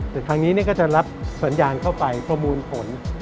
แต่ทางนี้ก็จะรับสัญญาณเข้าไปประมูลผล